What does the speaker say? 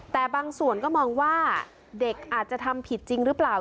แต่บางส่วนก็มองว่าเด็กอาจจะทำผิดจริงหรือเปล่า